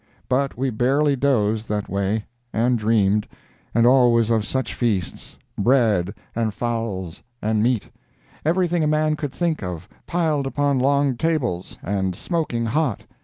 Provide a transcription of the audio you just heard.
But we barely dozed that way and dreamed—and always of such feasts! bread, and fowls, and meat—everything a man could think of, piled upon long tables, and smoking hot!